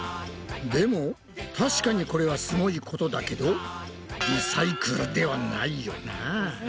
でも確かにこれはすごいことだけどリサイクルではないよな？